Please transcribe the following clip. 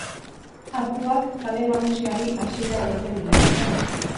Arkuak Kale Nagusiari hasiera ematen dio.